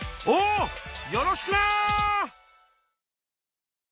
よろしくな！